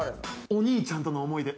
◆お兄ちゃんとの思い出。